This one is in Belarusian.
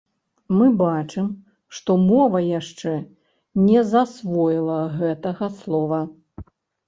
Мы бачым, што мова яшчэ не засвоіла гэтага слова.